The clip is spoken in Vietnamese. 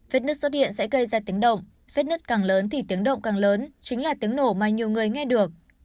vết nứt xuất hiện sẽ gây ra tiếng động vết nứt càng lớn thì tiếng động càng lớn chính là tiếng nổ mà nhiều người nghe được